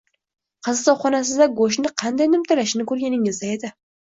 Qassobxonasida go`shtni qanday nimtalashini ko`rganingizda edi